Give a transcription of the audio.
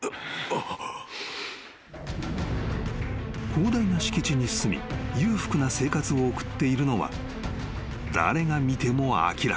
［広大な敷地に住み裕福な生活を送っているのは誰が見ても明らか］